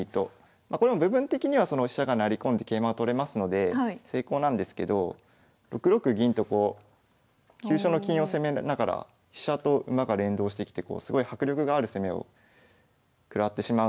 これも部分的には飛車が成り込んで桂馬を取れますので成功なんですけど６六銀とこう急所の金を攻めながら飛車と馬が連動してきてすごい迫力がある攻めを食らってしまうので。